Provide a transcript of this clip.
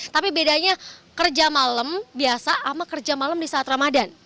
tapi bedanya kerja malam biasa sama kerja malam di saat ramadhan